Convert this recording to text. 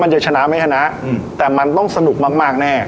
มันจะชนะไม่ชนะอืมแต่มันต้องสนุกมากมากแน่